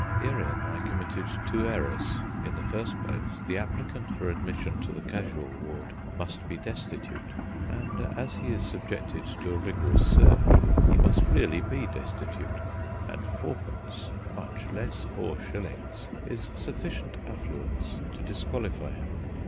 Herein I committed two errors. In the first place, the applicant for admission to the casual ward must be destitute, and as he is subjected to a rigorous search, he must really be destitute; and fourpence, much less four shillings, is sufficient affluence to disqualify him.